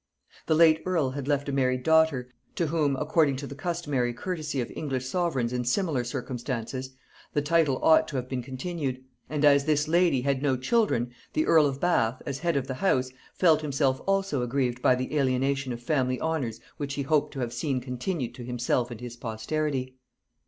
The late earl had left a married daughter, to whom, according to the customary courtesy of English sovereigns in similar circumstances, the title ought to have been continued; and as this lady had no children, the earl of Bath, as head of the house, felt himself also aggrieved by the alienation of family honors which he hoped to have seen continued to himself and his posterity.